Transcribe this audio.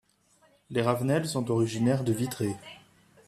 Les Ravenel sont originaires de Vitré.